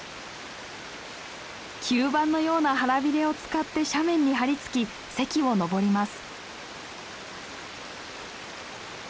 吸盤のような腹ビレを使って斜面に張り付き堰をのぼります。